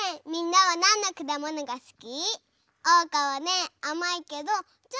みんなはなんのくだものがすき？